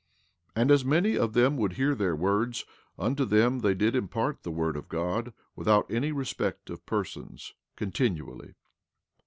16:14 And as many as would hear their words, unto them they did impart the word of God, without any respect of persons, continually.